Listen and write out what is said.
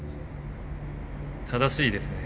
正しいですね。